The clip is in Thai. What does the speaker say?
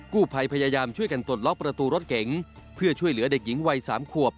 ผู้ภัยพยายามช่วยกันปลดล็อกประตูรถเก๋งเพื่อช่วยเหลือเด็กหญิงวัยสามขวบ